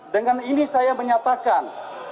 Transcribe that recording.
dengan ini saya menyatakan